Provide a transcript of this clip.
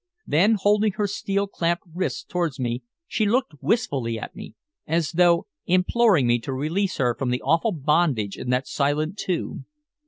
Then holding her steel clasped wrists towards me she looked wistfully at me, as though imploring me to release her from the awful bondage in that silent tomb.